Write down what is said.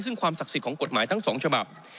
ซึ่งความศักดิ์สิทธิ์ของกฎหมายทั้งสองฉบับ